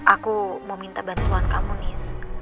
aku mau minta bantuan kamu nih